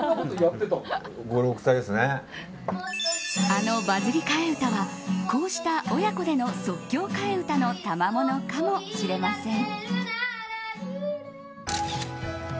あのバズり替え歌はこうした親子での即興替え歌のたまものかもしれません。